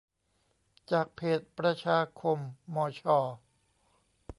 จากเพจประชาคมมอชอ